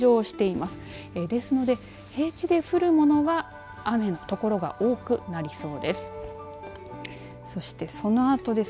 ですので、平地で降るものは雨の所が多くなりそうです。